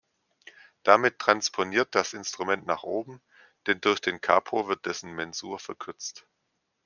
Damit transponiert das Instrument nach oben, denn durch den Capo wird dessen Mensur verkürzt.